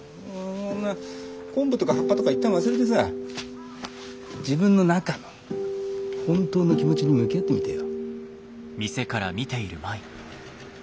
昆布とか葉っぱとか一旦忘れてさ自分の中の本当の気持ちに向き合ってみてよ。